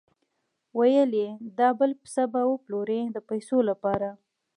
ویل یې دا بل پسه به وپلوري د پیسو لپاره.